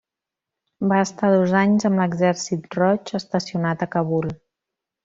Va estar dos anys amb l'Exèrcit Roig estacionat a Kabul.